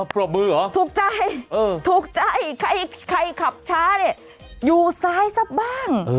เอ้ยถูกใจถูกใจใครขับช้าเนี่ยอยู่ซ้ายซะบ้าง